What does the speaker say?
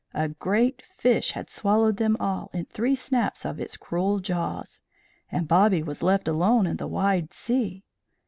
A great fish had swallowed them all in three snaps of its cruel jaws, and Bobby was left alone in the wide sea.